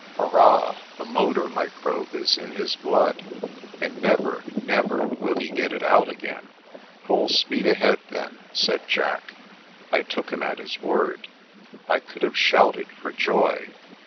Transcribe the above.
" Hurrah, the motor microbe is in his blood, and never, never will he get it out again." " Full speed ahead, then I " said Jack. I took him at his word. I could have shouted for joy.